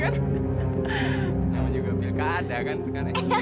nama juga pilkada kan sekarang ya